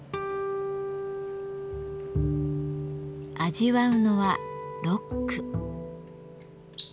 味わうのはロック。